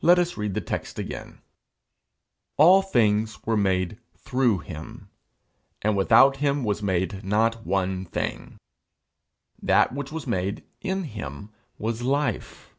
Let us read the text again: 'All things were made through him, and without him was made not one thing. That which was made in him was life.'